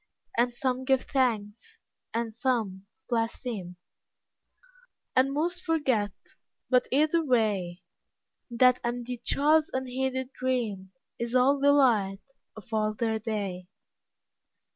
And give some thanks, and some blaspheme, And most forget, but, either way, That and the child's unheeded dream Is all the light of all their day.